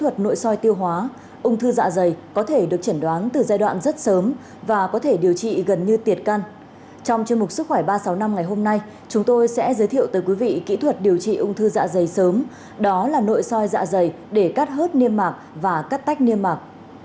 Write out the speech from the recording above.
tôi sẽ giới thiệu tới quý vị kỹ thuật điều trị ung thư dạ dày sớm đó là nội soi dạ dày để cắt hớt niêm mạc và cắt tách niêm mạc